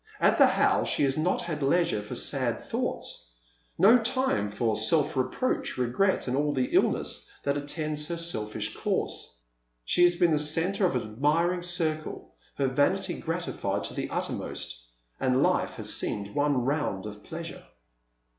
At the How she has not had leisure for sad thoughts I no time for self reproach, regret, and all the illness that attends her selfish course. She has been the centre of an admiring circle, her vanity gratified to the uttermost, and life has seemed one round of pleasure.